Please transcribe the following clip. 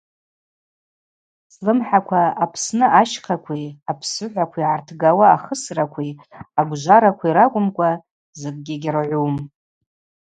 Слымхӏаква Апсны ащхъакви апсыхӏвакви йгӏартггӏауа ахысракви агвжваракви ракӏвымкӏва закӏгьи гьыргӏум.